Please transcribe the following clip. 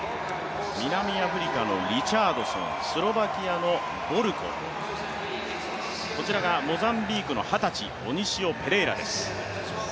南アフリカのリチャードソン、スロバキアのボルコ、モザンビークの二十歳、オニシオ・ペレイラです。